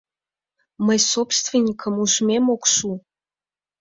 Мый собственникым ужмем ок шу.